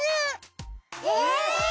えっ！